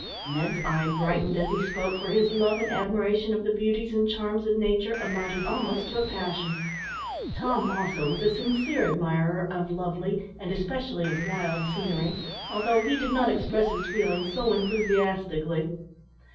Ned's eye brightened as he spoke, for his love and admiration of the beauties and charms of nature amounted almost to a passion. Tom, also, was a sincere admirer of lovely, and especially of wild, scenery, although he did not express his feelings so enthusiastically.